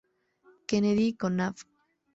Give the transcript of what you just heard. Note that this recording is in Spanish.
Kennedy con Av.